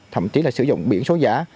thậm chí là sử dụng biển số giả